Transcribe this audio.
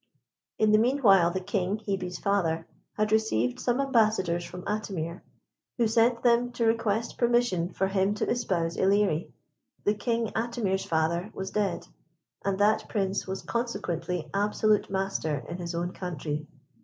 In the meanwhile the King, Hebe's father, had received some ambassadors from Atimir, who sent them to request permission for him to espouse Ilerie. The King, Atimir's father, was dead, and that Prince was consequently absolute master in his own country.